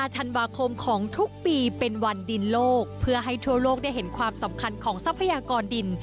ธันวาคมของทุกปีเป็นวันดินโลกเพื่อให้ทั่วโลกได้เห็นความสำคัญของทรัพยากรดิน